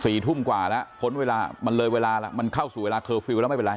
สี่ทุ่มกว่าแล้วพ้นเวลามันเลยเวลาแล้วมันเข้าสู่เวลาแล้วไม่เป็นไร